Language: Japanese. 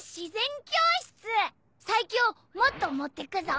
最強もっと持ってくぞ！